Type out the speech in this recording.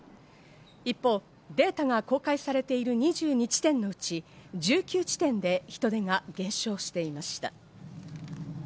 一方、データが公開されている２２地点のうち、１９地点で人出が減少していました。